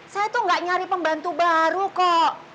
saya tuh gak nyari pembantu baru kok